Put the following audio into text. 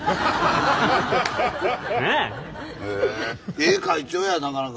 ええ会長やなかなか。